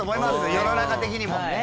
世の中的にも。